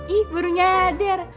ih baru nyadar